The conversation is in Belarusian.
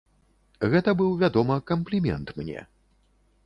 Гэта быў, вядома, камплімент мне.